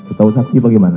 atau saksi bagaimana